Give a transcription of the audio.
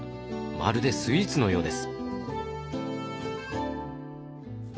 まるでスイーツのようです。